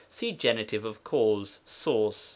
(See Gen. of cause, source.)